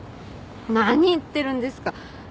何言ってるんですか。